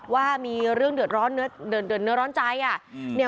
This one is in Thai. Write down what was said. ว่ามีเรื่องเดือดร้อนเนื้อร้อนใจ